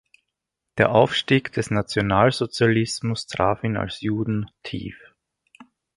Der Aufstieg des Nationalsozialismus traf ihn als Juden tief.